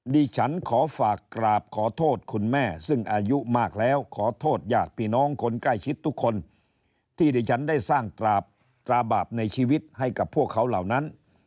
ดิฉันขอฝากกราบขอโทษคุณแม่ซึ่งอายุมากแล้วขอโทษญาติพี่น้องคนใกล้ชิดทุกคนที่ดิฉันได้สร้างตราบาปในชีวิตให้กับพวกเขาเหล่านั้น